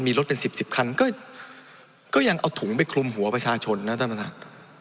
มีรถเป็น๑๐๑๐คันก็ยังเอาถุงไปคลุมหัวประชาชนนะท่านประธาน